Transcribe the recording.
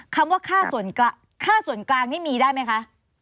คำว่าค่าส่วนกลางนี่มีได้ไหมคะ